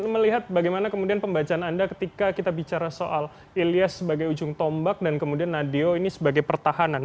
melihat bagaimana kemudian pembacaan anda ketika kita bicara soal ilyas sebagai ujung tombak dan kemudian nadeo ini sebagai pertahanan